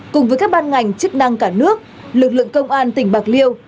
cùng với các ban ngành chức năng cả nước lực lượng công an tỉnh bạc liêu